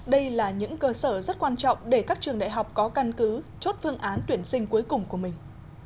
đây là những cơ sở rất quan trọng để các trường đại học có căn cứ chốt phương án tuyển sinh cuối cùng của mình